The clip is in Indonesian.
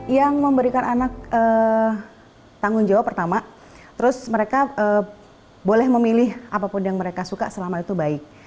yang memberikan anak tanggung jawab pertama terus mereka boleh memilih apapun yang mereka suka selama itu baik